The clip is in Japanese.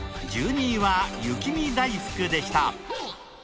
１２位は雪見だいふくでした。